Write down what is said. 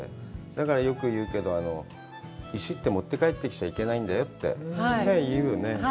だから、よく言うけど、石って持って帰ってきちゃいけないんだよって、言うよね。